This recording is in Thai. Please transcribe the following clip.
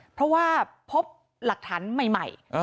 เพราะว่าพบหลักฐานใหม่